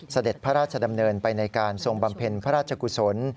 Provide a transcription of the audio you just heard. เสด็จพระราชดำเนินไปในการทรงบำเพ็ญพระราชกุศล